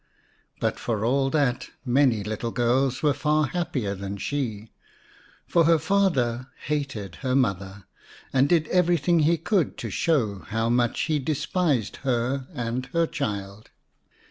But for all that many little girls were far happier than she, for her father hated her mother and did everything he could to show how much he despised her and her child.